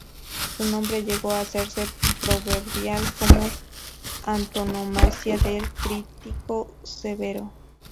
Su nombre llegó a hacerse proverbial como antonomasia del crítico severo.